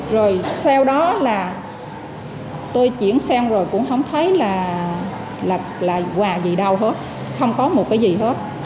rồi sau đó là tôi chuyển sang rồi cũng không thấy là quà gì đâu hết không có một cái gì hết